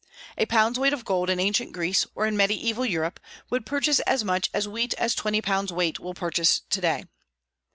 A pound's weight of gold, in ancient Greece, or in Mediaeval Europe, would purchase as much wheat as twenty pounds' weight will purchase to day.